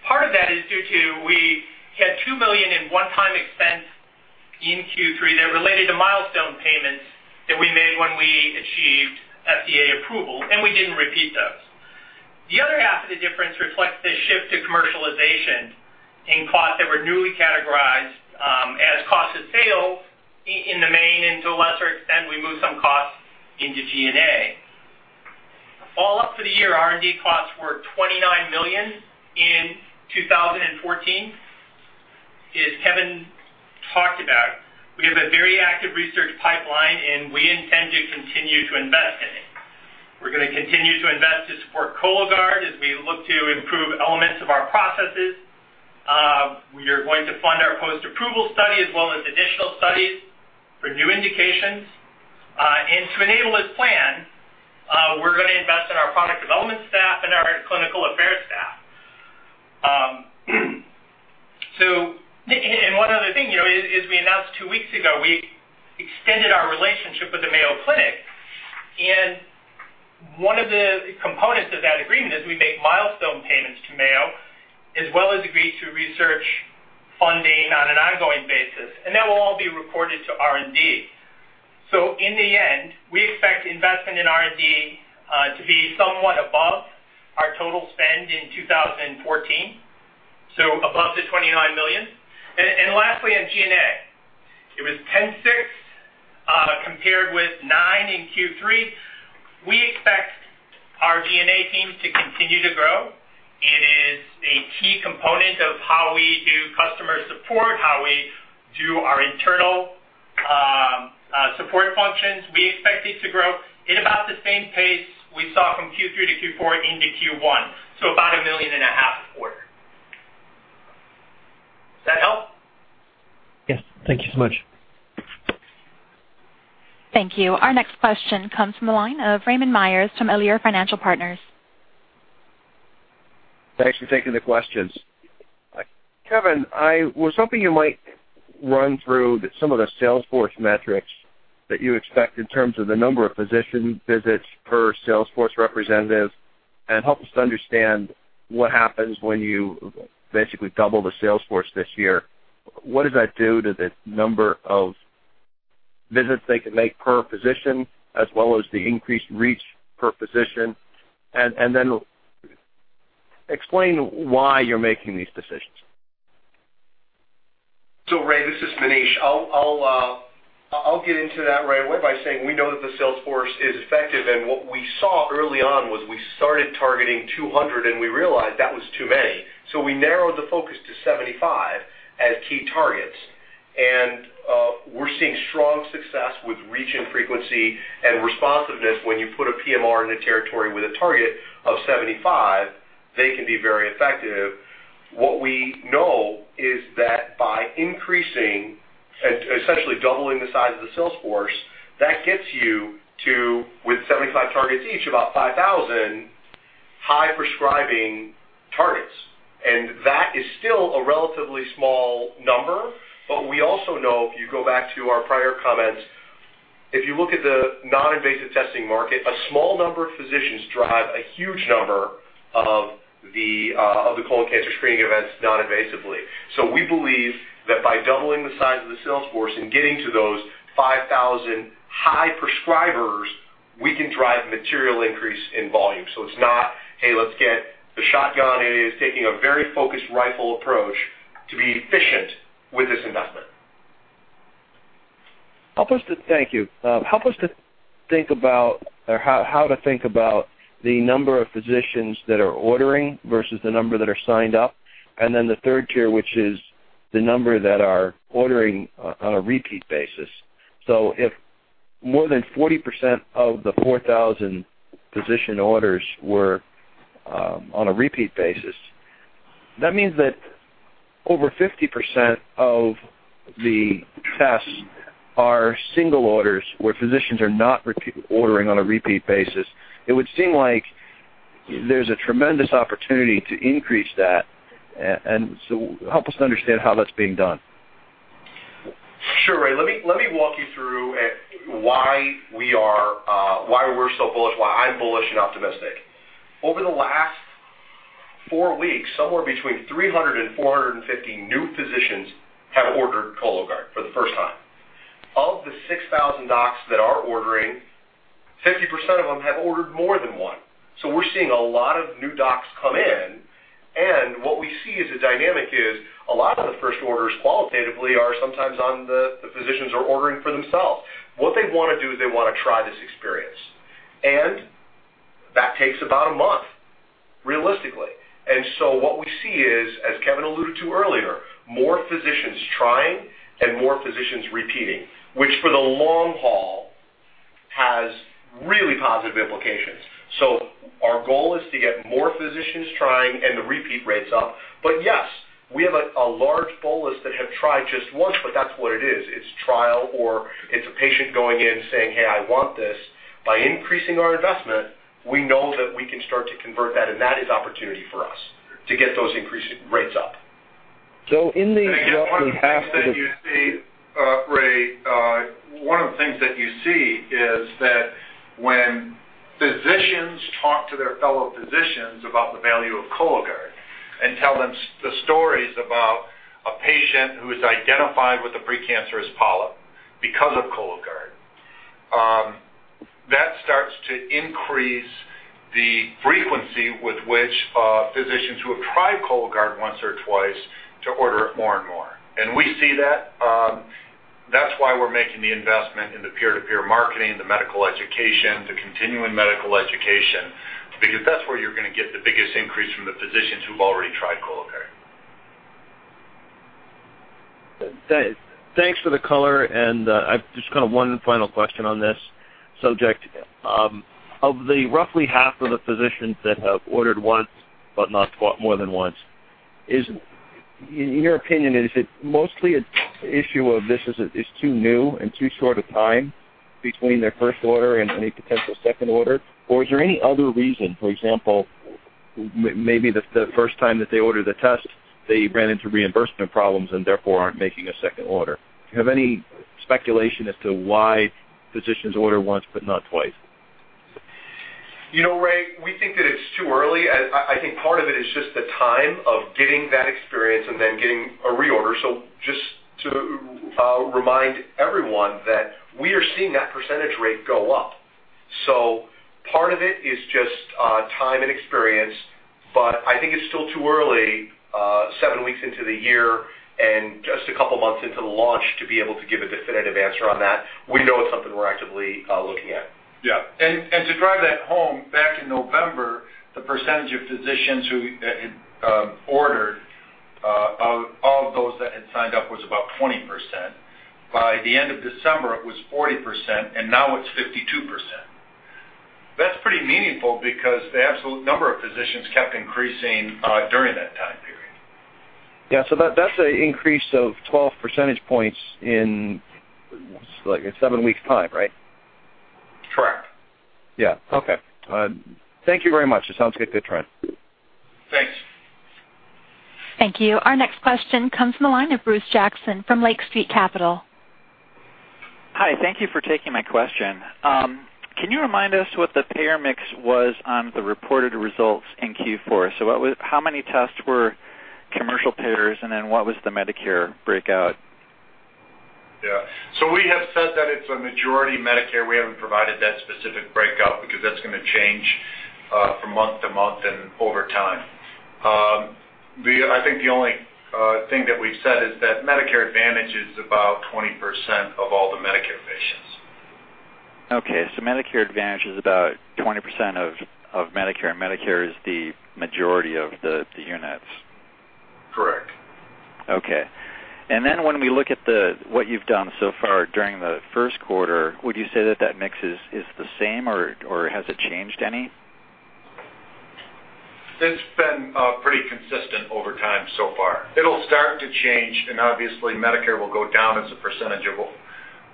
Part of that is due to we had $2 million in one-time expense in Q3 that related to milestone payments that we made when we achieved FDA approval, and we didn't repeat those. The other half of the difference reflects the shift to commercialization in costs that were newly categorized as cost of sale in the main. To a lesser extent, we moved some costs into G&A. All up for the year, R&D costs were $29 million in 2014, as Kevin talked about. We have a very active research pipeline, and we intend to continue to invest in it. We're going to continue to invest to support Cologuard as we look to improve elements of our processes. We are going to fund our post-approval study as well as additional studies for new indications. To enable this plan, we're going to invest in our product development staff and our clinical affairs staff. One other thing is we announced two weeks ago, we extended our relationship with the Mayo Clinic. One of the components of that agreement is we make milestone payments to Mayo as well as agree to research funding on an ongoing basis. That will all be reported to R&D. In the end, we expect investment in R&D to be somewhat above our total spend in 2014, so above the $29 million. Lastly, in G&A, it was $106 million compared with $9 million in Q3. We expect our G&A team to continue to grow. It is a key component of how we do customer support, how we do our internal support functions. We expect it to grow at about the same pace we saw from Q3 to Q4 into Q1, so about $1.5 million a quarter. Does that help? Yes. Thank you so much. Thank you. Our next question comes from the line of Raymond Myers from Alere Financial Partners. Thanks for taking the questions. Kevin, I was hoping you might run through some of the sales force metrics that you expect in terms of the number of physician visits per sales force representative and help us understand what happens when you basically double the sales force this year. What does that do to the number of visits they can make per physician as well as the increased reach per physician? Explain why you're making these decisions. Ray, this is Maneesh. I'll get into that right away by saying we know that the sales force is effective. What we saw early on was we started targeting 200, and we realized that was too many. We narrowed the focus to 75 as key targets. We're seeing strong success with reach and frequency and responsiveness. When you put a PMR in a territory with a target of 75, they can be very effective. What we know is that by increasing and essentially doubling the size of the sales force, that gets you to, with 75 targets each, about 5,000 high prescribing targets. That is still a relatively small number, but we also know if you go back to our prior comments, if you look at the non-invasive testing market, a small number of physicians drive a huge number of the colon cancer screening events non-invasively. We believe that by doubling the size of the sales force and getting to those 5,000 high prescribers, we can drive material increase in volume. It is not, "Hey, let's get the shotgun." It is taking a very focused rifle approach to be efficient with this investment. Help us to think about how to think about the number of physicians that are ordering versus the number that are signed up, and then the third tier, which is the number that are ordering on a repeat basis. If more than 40% of the 4,000 physician orders were on a repeat basis, that means that over 50% of the tests are single orders where physicians are not ordering on a repeat basis. It would seem like there is a tremendous opportunity to increase that. Help us understand how that is being done. Sure, Ray. Let me walk you through why we're so bullish, why I'm bullish and optimistic. Over the last four weeks, somewhere between 300-450 new physicians have ordered Cologuard for the first time. Of the 6,000 docs that are ordering, 50% of them have ordered more than one. We are seeing a lot of new docs come in. What we see as a dynamic is a lot of the first orders qualitatively are sometimes on the physicians are ordering for themselves. What they want to do is they want to try this experience. That takes about a month, realistically. What we see is, as Kevin alluded to earlier, more physicians trying and more physicians repeating, which for the long haul has really positive implications. Our goal is to get more physicians trying and the repeat rates up. Yes, we have a large bolus that have tried just once, but that's what it is. It's trial or it's a patient going in saying, "Hey, I want this." By increasing our investment, we know that we can start to convert that, and that is opportunity for us to get those increasing rates up. In the half of the. Thank you, Ray. One of the things that you see is that when physicians talk to their fellow physicians about the value of Cologuard and tell them the stories about a patient who is identified with a precancerous polyp because of Cologuard, that starts to increase the frequency with which physicians who have tried Cologuard once or twice order it more and more. We see that. That is why we are making the investment in the peer-to-peer marketing, the medical education, the continuing medical education, because that is where you are going to get the biggest increase from the physicians who have already tried Cologuard. Thanks for the color. I've just got one final question on this subject. Of the roughly half of the physicians that have ordered once, but not more than once, in your opinion, is it mostly an issue of this is too new and too short a time between their first order and any potential second order? Is there any other reason, for example, maybe the first time that they ordered the test, they ran into reimbursement problems and therefore aren't making a second order? Do you have any speculation as to why physicians order once, but not twice? You know, Ray, we think that it's too early. I think part of it is just the time of getting that experience and then getting a reorder. Just to remind everyone that we are seeing that percentage rate go up. Part of it is just time and experience, but I think it's still too early seven weeks into the year and just a couple of months into the launch to be able to give a definitive answer on that. We know it's something we're actively looking at. Yeah. To drive that home, back in November, the percentage of physicians who had ordered, of those that had signed up, was about 20%. By the end of December, it was 40%, and now it's 52%. That's pretty meaningful because the absolute number of physicians kept increasing during that time period. Yeah. That's an increase of 12 percentage points in like a seven-week time, right? Correct. Yeah. Okay. Thank you very much. It sounds like a good trend. Thanks. Thank you. Our next question comes from the line of Bruce Jackson from Lake Street Capital. Hi. Thank you for taking my question. Can you remind us what the payer mix was on the reported results in Q4? So how many tests were commercial payers, and then what was the Medicare breakout? Yeah. We have said that it's a majority Medicare. We haven't provided that specific breakout because that's going to change from month to month and over time. I think the only thing that we've said is that Medicare Advantage is about 20% of all the Medicare patients. Okay. Medicare Advantage is about 20% of Medicare, and Medicare is the majority of the units. Correct. Okay. When we look at what you've done so far during the first quarter, would you say that that mix is the same, or has it changed any? It's been pretty consistent over time so far. It'll start to change, and obviously, Medicare will go down as a percentage of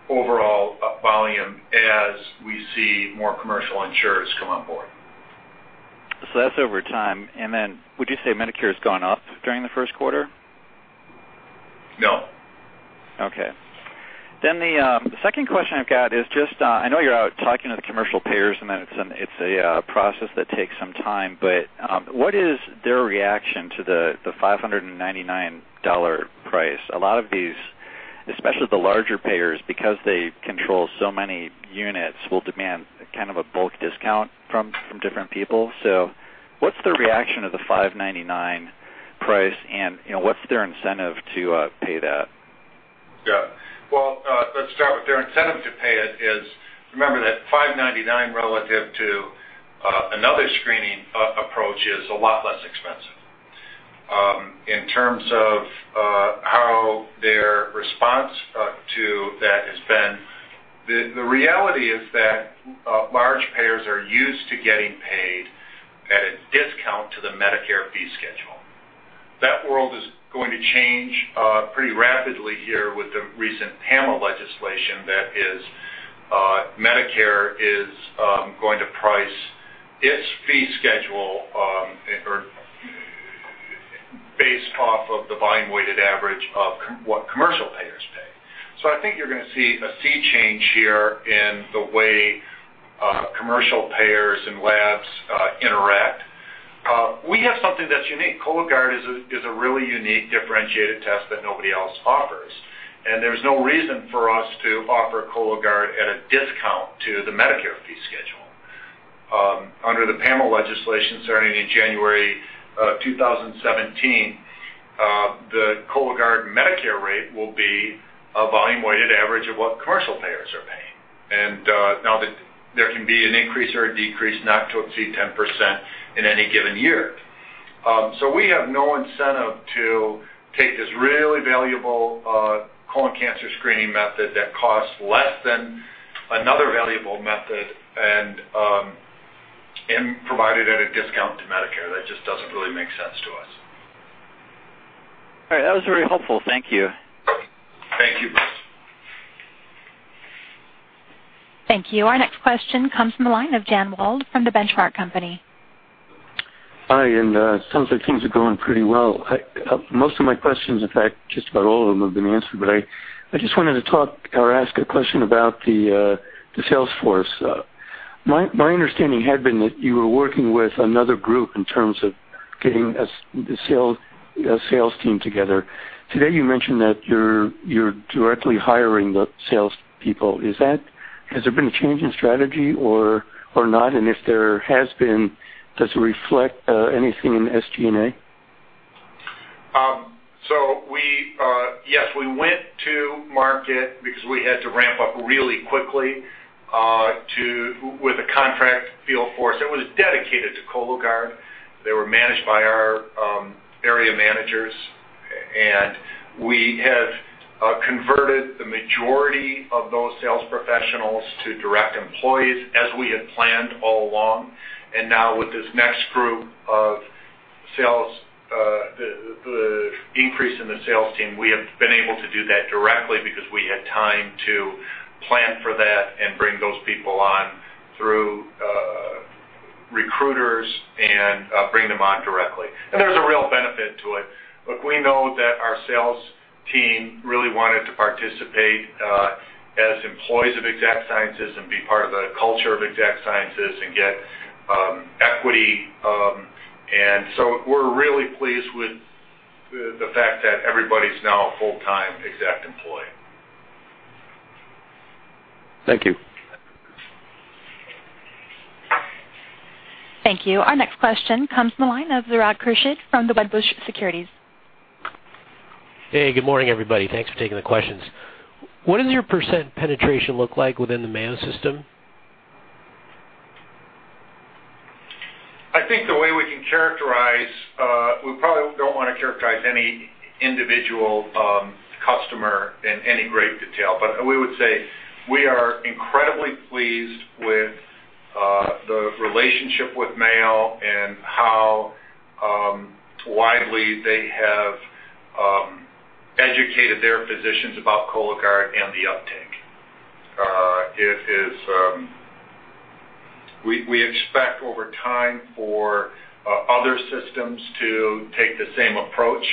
overall volume as we see more commercial insurers come on board. That's over time. And then would you say Medicare has gone up during the first quarter? No. Okay. Then the second question I've got is just I know you're out talking to the commercial payers, and then it's a process that takes some time, but what is their reaction to the $599 price? A lot of these, especially the larger payers, because they control so many units, will demand kind of a bulk discount from different people. What is the reaction to the $599 price, and what's their incentive to pay that? Yeah. Let's start with their incentive to pay it. Remember that $599 relative to another screening approach is a lot less expensive. In terms of how their response to that has been, the reality is that large payers are used to getting paid at a discount to the Medicare fee schedule. That world is going to change pretty rapidly here with the recent PAMA legislation that Medicare is going to price its fee schedule based off of the volume-weighted average of what commercial payers pay. I think you're going to see a sea change here in the way commercial payers and labs interact. We have something that's unique. Cologuard is a really unique differentiated test that nobody else offers. There's no reason for us to offer Cologuard at a discount to the Medicare fee schedule. Under the PAMA legislation starting in January of 2017, the Cologuard Medicare rate will be a volume-weighted average of what commercial payers are paying. There can be an increase or a decrease, not to exceed 10% in any given year. We have no incentive to take this really valuable colon cancer screening method that costs less than another valuable method and provide it at a discount to Medicare. That just does not really make sense to us. All right. That was very helpful. Thank you. Thank you, Bruce. Thank you. Our next question comes from the line of Jan Wald from The Benchmark Company. Hi. It sounds like things are going pretty well. Most of my questions, in fact, just about all of them have been answered, but I just wanted to talk or ask a question about the sales force. My understanding had been that you were working with another group in terms of getting the sales team together. Today, you mentioned that you're directly hiring the salespeople. Has there been a change in strategy or not? If there has been, does it reflect anything in SG&A? Yes, we went to market because we had to ramp up really quickly with a contract field force that was dedicated to Cologuard. They were managed by our area managers. We have converted the majority of those sales professionals to direct employees as we had planned all along. Now with this next group of sales, the increase in the sales team, we have been able to do that directly because we had time to plan for that and bring those people on through recruiters and bring them on directly. There is a real benefit to it. Look, we know that our sales team really wanted to participate as employees of Exact Sciences and be part of the culture of Exact Sciences and get equity. We are really pleased with the fact that everybody is now a full-time Exact employee. Thank you. Thank you. Our next question comes from the line of Zerad Krusheid from Wedbush Securities. Hey, good morning, everybody. Thanks for taking the questions. What does your percent penetration look like within the mail system? I think the way we can characterize, we probably don't want to characterize any individual customer in any great detail, but we would say we are incredibly pleased with the relationship with Mayo and how widely they have educated their physicians about Cologuard and the uptake. We expect over time for other systems to take the same approach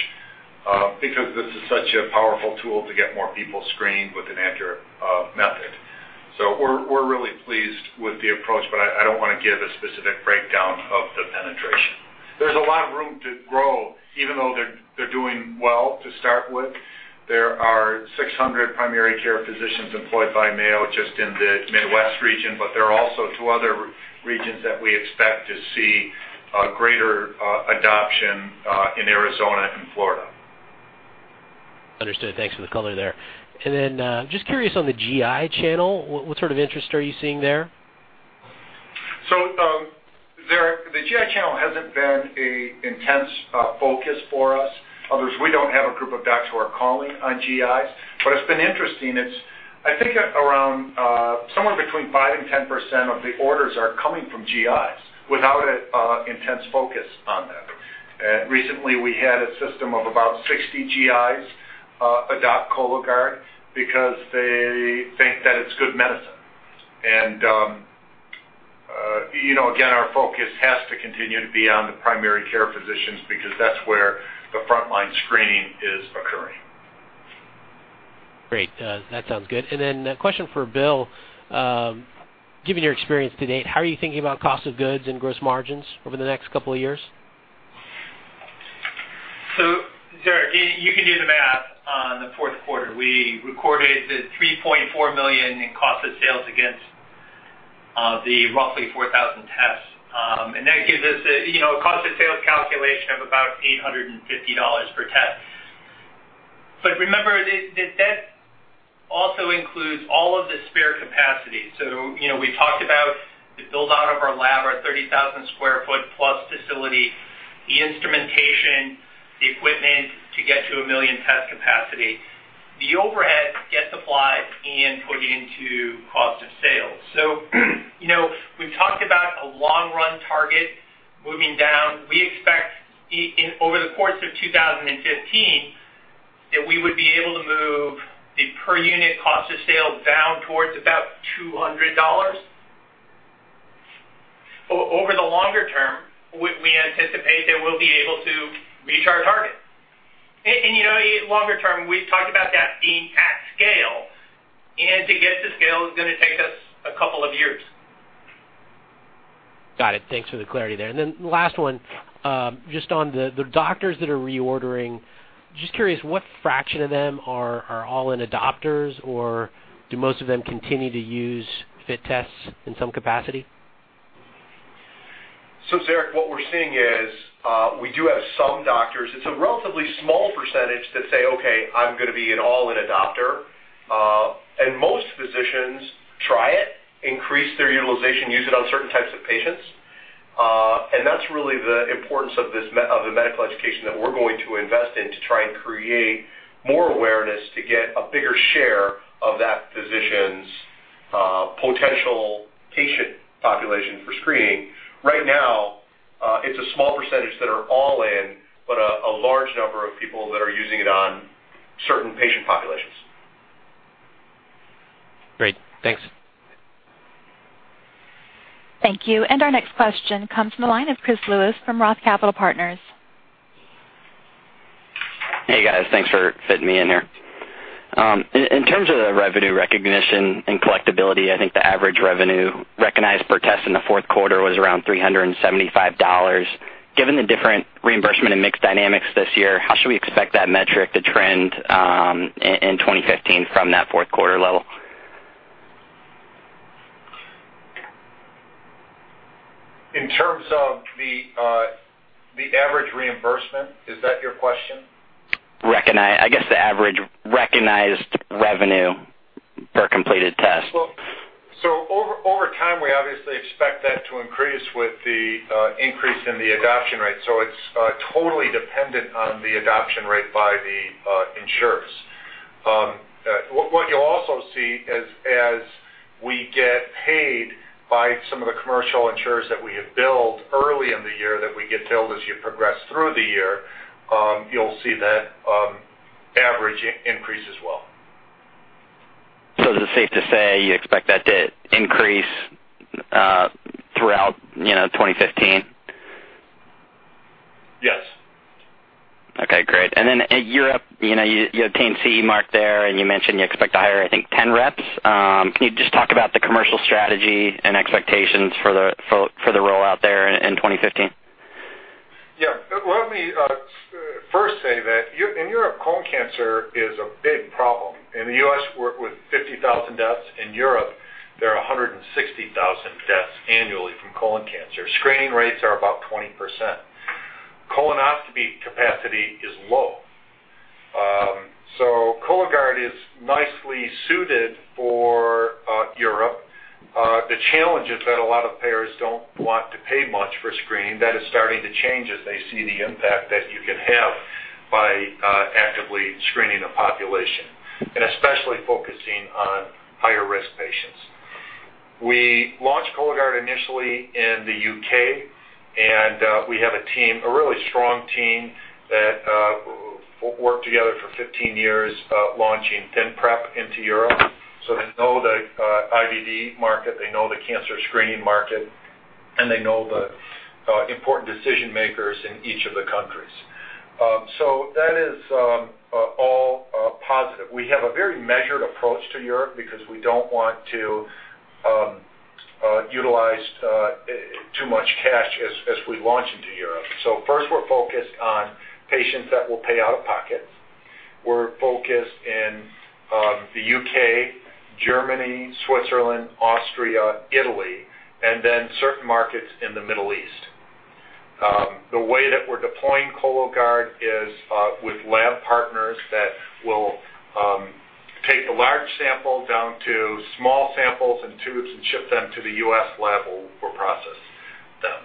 because this is such a powerful tool to get more people screened with an accurate method. We're really pleased with the approach, but I don't want to give a specific breakdown of the penetration. There's a lot of room to grow, even though they're doing well to start with. There are 600 primary care physicians employed by Mayo just in the Midwest region, but there are also two other regions that we expect to see greater adoption in Arizona and Florida. Understood. Thanks for the color there. Just curious on the GI channel, what sort of interest are you seeing there? The GI channel hasn't been an intense focus for us. We don't have a group of docs who are calling on GIs, but it's been interesting. I think somewhere between 5% and 10% of the orders are coming from GIs without an intense focus on them. Recently, we had a system of about 60 GIs adopt Cologuard because they think that it's good medicine. Again, our focus has to continue to be on the primary care physicians because that's where the frontline screening is occurring. Great. That sounds good. A question for Will. Given your experience to date, how are you thinking about cost of goods and gross margins over the next couple of years? You can do the math on the fourth quarter. We recorded the $3.4 million in cost of sales against the roughly 4,000 tests. That gives us a cost of sales calculation of about $850 per test. Remember, that also includes all of the spare capacity. We talked about the buildout of our lab, our 30,000 sq ft plus facility, the instrumentation, the equipment to get to a million test capacity. The overhead gets applied and put into cost of sales. We have talked about a long-run target moving down. We expect over the course of 2015 that we would be able to move the per-unit cost of sale down towards about $200. Over the longer term, we anticipate that we will be able to reach our target. Longer term, we have talked about that being at scale. To get to scale is going to take us a couple of years. Got it. Thanks for the clarity there. The last one, just on the doctors that are reordering, just curious, what fraction of them are all-in adopters, or do most of them continue to use FIT tests in some capacity? Zerad, what we're seeing is we do have some doctors. It's a relatively small percentage that say, "Okay, I'm going to be an all-in adopter." Most physicians try it, increase their utilization, use it on certain types of patients. That's really the importance of the medical education that we're going to invest in to try and create more awareness to get a bigger share of that physician's potential patient population for screening. Right now, it's a small percentage that are all-in, but a large number of people that are using it on certain patient populations. Great. Thanks. Thank you. Our next question comes from the line of Chris Lewis from Roth Capital Partners. Hey, guys. Thanks for fitting me in here. In terms of the revenue recognition and collectibility, I think the average revenue recognized per test in the fourth quarter was around $375. Given the different reimbursement and mixed dynamics this year, how should we expect that metric to trend in 2015 from that fourth quarter level? In terms of the average reimbursement, is that your question? I guess the average recognized revenue per completed test. Over time, we obviously expect that to increase with the increase in the adoption rate. It is totally dependent on the adoption rate by the insurers. What you'll also see as we get paid by some of the commercial insurers that we have billed early in the year, as you progress through the year, you'll see that average increase as well. Is it safe to say you expect that to increase throughout 2015? Yes. Okay. Great. At Europe, you obtained CE mark there, and you mentioned you expect to hire, I think, 10 reps. Can you just talk about the commercial strategy and expectations for the rollout there in 2015? Yeah. Let me first say that in Europe, colon cancer is a big problem. In the U.S., we're with 50,000 deaths. In Europe, there are 160,000 deaths annually from colon cancer. Screening rates are about 20%. Colonoscopy capacity is low. Cologuard is nicely suited for Europe. The challenge is that a lot of payers don't want to pay much for screening. That is starting to change as they see the impact that you can have by actively screening a population, and especially focusing on higher-risk patients. We launched Cologuard initially in the U.K., and we have a team, a really strong team that worked together for 15 years launching FINPREP into Europe. They know the IVD market, they know the cancer screening market, and they know the important decision-makers in each of the countries. That is all positive. We have a very measured approach to Europe because we do not want to utilize too much cash as we launch into Europe. First, we are focused on patients that will pay out of pocket. We are focused in the U.K., Germany, Switzerland, Austria, Italy, and then certain markets in the Middle East. The way that we are deploying Cologuard is with lab partners that will take the large sample down to small samples and tubes and ship them to the U.S. lab where we will process them.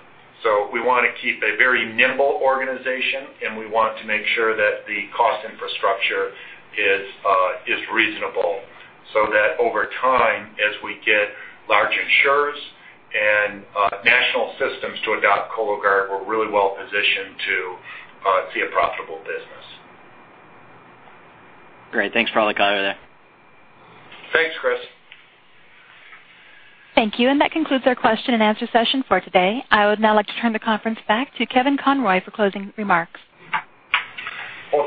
We want to keep a very nimble organization, and we want to make sure that the cost infrastructure is reasonable so that over time, as we get large insurers and national systems to adopt Cologuard, we are really well positioned to see a profitable business. Great. Thanks, Project Coyote there. Thanks, Chris. Thank you. That concludes our question and answer session for today. I would now like to turn the conference back to Kevin Conroy for closing remarks.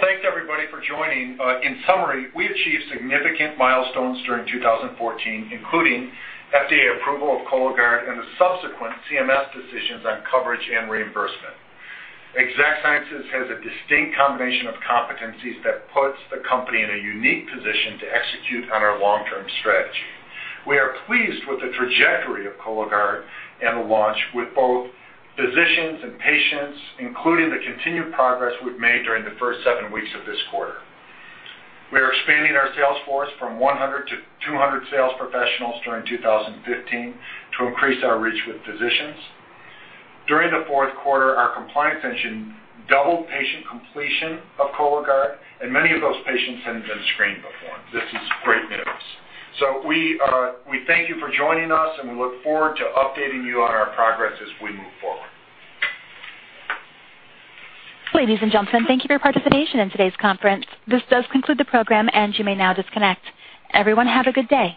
Thanks, everybody, for joining. In summary, we achieved significant milestones during 2014, including FDA approval of Cologuard and the subsequent CMS decisions on coverage and reimbursement. Exact Sciences has a distinct combination of competencies that puts the company in a unique position to execute on our long-term strategy. We are pleased with the trajectory of Cologuard and the launch with both physicians and patients, including the continued progress we've made during the first seven weeks of this quarter. We are expanding our sales force from 100 to 200 sales professionals during 2015 to increase our reach with physicians. During the fourth quarter, our compliance engine doubled patient completion of Cologuard, and many of those patients hadn't been screened before. This is great news. We thank you for joining us, and we look forward to updating you on our progress as we move forward. Ladies and gentlemen, thank you for your participation in today's conference. This does conclude the program, and you may now disconnect. Everyone, have a good day.